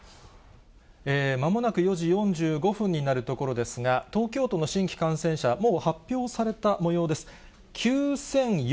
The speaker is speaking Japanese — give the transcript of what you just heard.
まもなく４時４５分になるところですが、東京都の新規感染者、もう発表されたもようです。